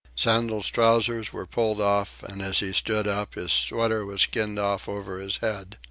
Sandel's trousers were pulled off, and, as he stood up, his sweater was skinned off over his head.